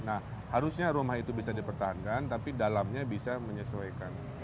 nah harusnya rumah itu bisa dipertahankan tapi dalamnya bisa menyesuaikan